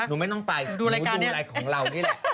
หนูไม่ต้องไปหนูดูรายของเรานี่แหละ